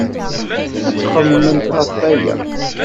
Ad xemmement ɣef waya.